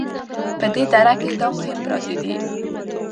په دې دره کې دا مهم پراته دي